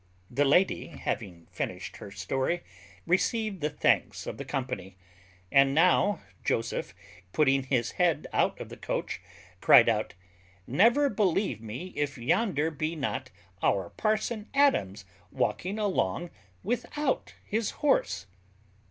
_ The lady, having finished her story, received the thanks of the company; and now Joseph, putting his head out of the coach, cried out, "Never believe me if yonder be not our parson Adams walking along without his horse!"